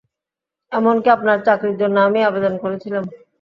এমনকি আপনার চাকরির জন্য আমিই আবেদন করেছিলাম।